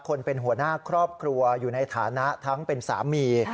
เป็นหัวหน้าครอบครัวอยู่ในฐานะทั้งเป็นสามี